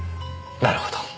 なるほど。